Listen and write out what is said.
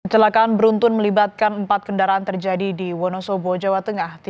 kecelakaan beruntun melibatkan empat kendaraan terjadi di wonosobo jawa tengah